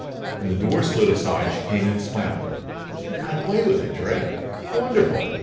When the door slid aside, she came in, smiling. "You got away with it, Drake! Wonderful!